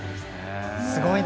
すごいな。